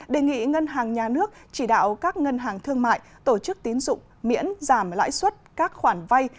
đề nghị ngân hàng nhà nước chỉ đạo các ngân hàng thương mại tổ chức tín dụng miễn giảm lãi suất các khoản vay